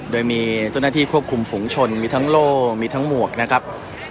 โดยมีเจ้าหน้าที่ควบคุมฝุงชนมีทั้งโล่มีทั้งหมวกนะครับ